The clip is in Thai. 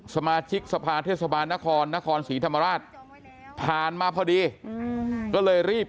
สมาชิกสภาเทศบาลนครนครศรีธรรมราชผ่านมาพอดีก็เลยรีบ